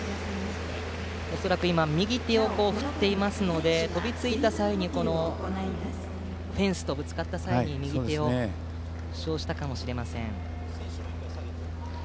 右手を振っていましたので恐らくフェンスとぶつかった際に右手を負傷したかもしれません。